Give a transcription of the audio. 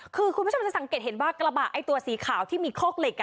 คือคุณผู้ชมจะสังเกตเห็นว่ากระบะไอ้ตัวสีขาวที่มีคอกเหล็ก